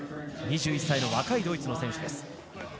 ２１歳の若いドイツの選手です。